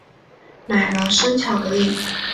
买了生巧克力